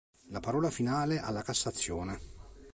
La parola finale alla Cassazione.